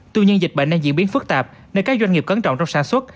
tuy nhiên dịch bệnh đang diễn biến phức tạp nên các doanh nghiệp cấn trọng trong sản xuất